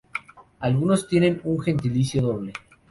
Algunos tienen un gentilicio doble.